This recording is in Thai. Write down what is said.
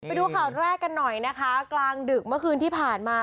ไปดูข่าวแรกกันหน่อยนะคะกลางดึกเมื่อคืนที่ผ่านมา